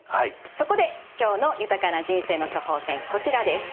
そこで今日の豊かな人生の処方せんこちらです。